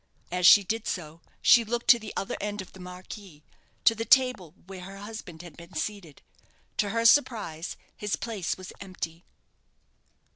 As she did so, she looked to the other end of the marquee to the table where her husband had been seated. To her surprise, his place was empty.